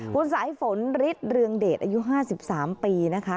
ผู้สายฝนริตเรืองเดชอายุ๕๓ปีนะคะ